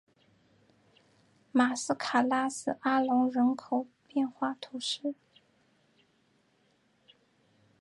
马斯卡拉斯阿龙人口变化图示